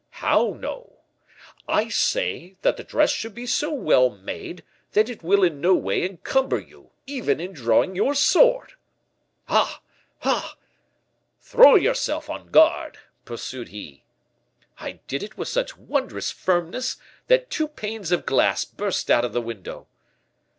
"'How no?' "'I say that the dress should be so well made, that it will in no way encumber you, even in drawing your sword.' "'Ah, ah!' "'Throw yourself on guard,' pursued he. "I did it with such wondrous firmness, that two panes of glass burst out of the window.